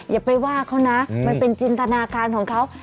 อย่าไปว่าเขานะมันเป็นจินตนาการของเขา